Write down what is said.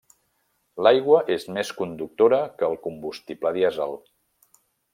L'aigua és més conductora que el combustible dièsel.